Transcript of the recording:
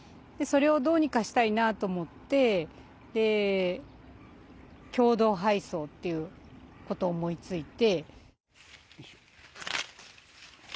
それをどうにかしたいなと思ってで共同配送っていう事を思いついて。